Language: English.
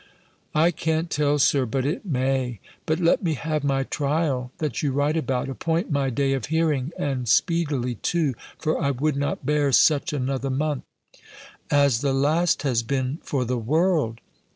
"I can't tell, Sir, but it may! But let me have my trial, that you write about. Appoint my day of hearing, and speedily too; for I would not bear such another month, as the last has been, for the world."